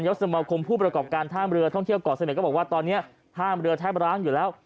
สมคมผู้ประกอบการท่ามเรือท่องเที่ยวเกาะเสม็ดก็บอกว่าตอนนี้ท่ามเรือแทบร้างอยู่แล้ว